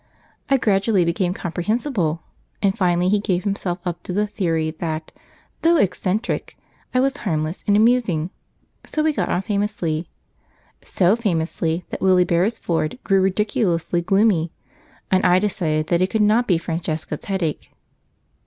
I gradually became comprehensible, and finally he gave himself up to the theory that, though eccentric, I was harmless and amusing, so we got on famously, so famously that Willie Beresford grew ridiculously gloomy, and I decided that it could not be Francesca's headache.